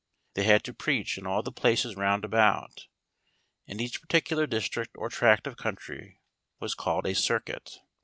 They had to preach in all the places round about, and each particular district or tract of country was called a "circuit."